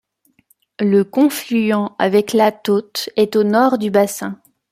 Le confluent avec la Taute est au nord du bassin.